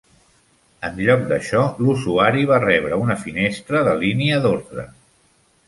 En lloc d'això, l'usuari va rebre una finestra de línia d'ordre.